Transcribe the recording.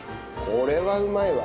これはうまいわ。